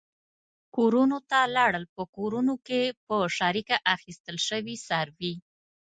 کورونو ته لاړل، په کورونو کې په شریکه اخیستل شوي څاروي.